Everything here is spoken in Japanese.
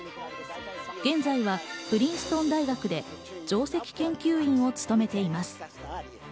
現在はプリンストン大学で上席研究員を務めています。